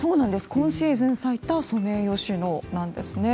今シーズン咲いたソメイヨシノなんですね。